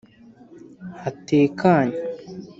hatekanye